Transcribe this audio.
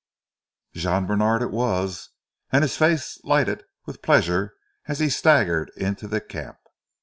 Jean Bènard it was, and his face lighted with pleasure as he staggered into the camp.